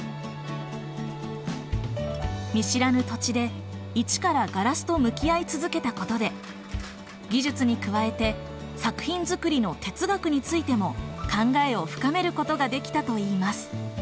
見知らぬ土地で一からガラスと向き合い続けたことで技術に加えて作品作りの哲学についても考えを深めることができたといいます。